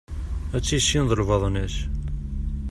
Ad tessineḍ lbaḍna-s.